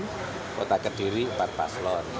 di kota kediri empat paslon